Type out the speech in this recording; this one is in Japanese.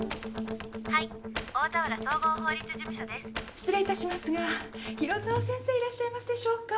失礼いたしますが広澤先生いらっしゃいますでしょうか？